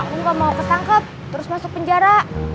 gue gak mau ketangkep terus masuk penjara